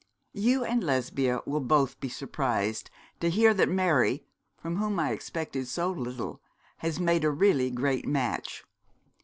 You and Lesbia will both be surprised to hear that Mary, from whom I expected so little, has made a really great match.